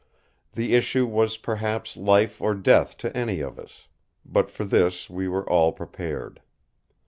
The issue was perhaps life or death to any of us; but for this we were all prepared.